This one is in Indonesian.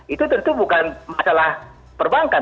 itu tentu bukan masalah perbankan